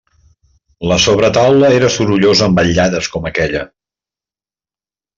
La sobretaula era sorollosa en vetlades com aquella.